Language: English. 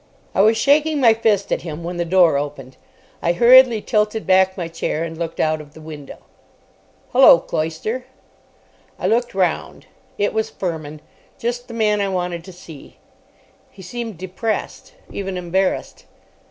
I was shaking my fist at him when the door opened. I hurriedly tilted back my chair, and looked out of the window. "Hullo, Cloyster." I looked round. It was Fermin. Just the man I wanted to see. He seemed depressed. Even embarrassed.